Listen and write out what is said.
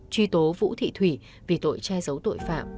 truy tố vũ thị thủy vì tội che giấu tội phạm